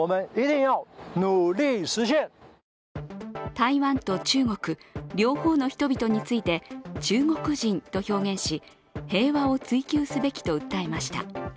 台湾と中国、両方の人々について中国人と表現し、平和を追求すべきと訴えました。